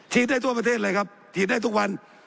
ได้ทั่วประเทศเลยครับฉีดได้ทุกวัน